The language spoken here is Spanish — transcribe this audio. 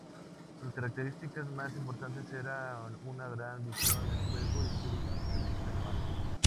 Su características más importantes eran una gran visión de juego y su excelente remate.